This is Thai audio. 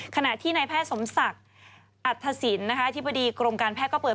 ขณะที่นายแพทย์สมศักดิ์อัฐศิลป์อธิบดีกรมการแพทย์ก็เปิด